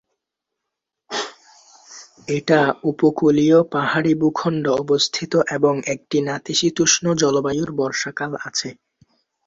এটা, উপকূলীয় পাহাড়ী ভূখণ্ড অবস্থিত এবং একটি নাতিশীতোষ্ণ জলবায়ুর বর্ষাকাল আছে।